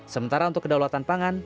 sementara untuk kedaulatan pangan